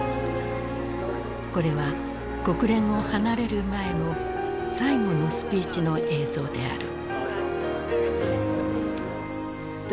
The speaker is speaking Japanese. これは国連を離れる前の最後のスピーチの映像である。